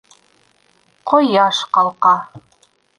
Ҡояш ҡалҡа